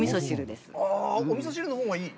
おみそ汁のほうがいい？